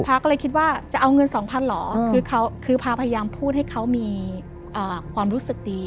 ก็เลยคิดว่าจะเอาเงินสองพันเหรอคือเขาคือพาพยายามพูดให้เขามีความรู้สึกดี